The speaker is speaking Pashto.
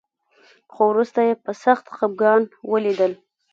خو وروسته يې په سخت خپګان وليدل.